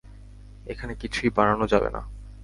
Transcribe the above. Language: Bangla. এখানে কিছুই বানানো, যাবে না।